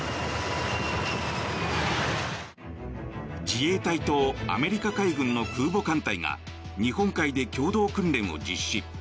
自衛隊とアメリカ海軍の空母艦隊が日本海で共同訓練を実施。